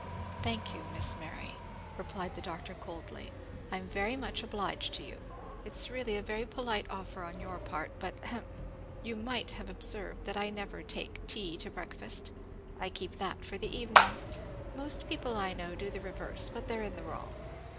"Thank you, Miss Mary," replied the Doctor coldly. "I'm very much obliged to you. It is really a very polite offer on your part; but hem! you might have observed that I never take tea to breakfast. I keep that for the evening; most people, I know, do the reverse, but they're in the wrong.